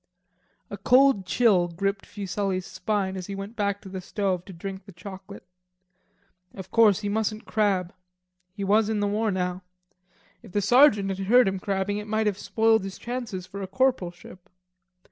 A cold chill gripped Fuselli's spine as he went back to the stove to drink the chocolate. Of course he mustn't crab. He was in the war now. If the sergeant had heard him crabbing, it might have spoiled his chances for a corporalship.